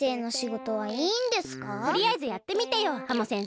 とりあえずやってみてよハモ先生。